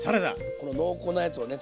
この濃厚なやつをね